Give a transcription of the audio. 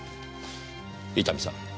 伊丹さん